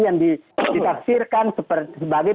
yang dipaksirkan sebagai